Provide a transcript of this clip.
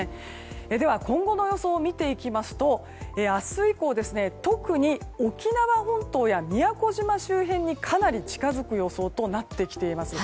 では今後の予想を見ていきますと明日以降、特に沖縄本島や宮古島周辺にかなり近づく予想となっています。